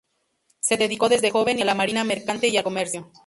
Se dedicó desde joven a la marina mercante y al comercio.